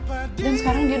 udah jadi bukan trivial